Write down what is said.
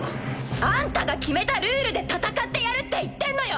あんたが決めたルールで戦ってやるって言ってんのよ。